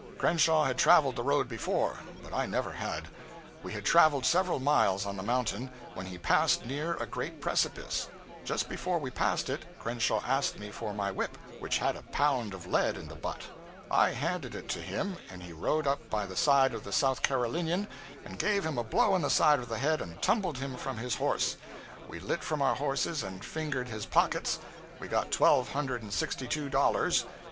Crenshaw had traveled the road before, but I never had; we had traveled several miles on the mountain, when he passed near a great precipice; just before we passed it Crenshaw asked me for my whip, which had a pound of lead in the butt; I handed it to him, and he rode up by the side of the South Carolinian, and gave him a blow on the side of the head and tumbled him from his horse; we lit from our horses and fingered his pockets; we got twelve hundred and sixty two dollars.